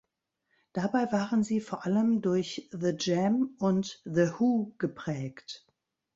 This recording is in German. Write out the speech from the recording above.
Dabei waren sie vor allem durch The Jam und The Who geprägt.